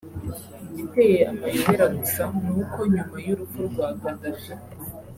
Igiteye amayobera gusa ni uko nyuma y’urupfu rwa Gaddafi